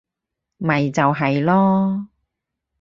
咪就係囉